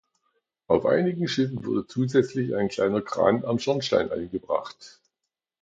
Auf einigen Schiffen wurde zusätzlich ein kleiner Kran am Schornstein angebracht.